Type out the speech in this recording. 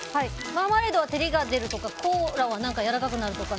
マーマレードは照りが出るとかコーラはやわらかくなるとか。